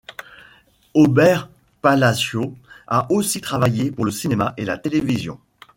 Aubert Pallascio a aussi travaillé pour le cinéma et la télévision.